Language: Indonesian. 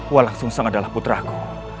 walang sungsang adalah putraku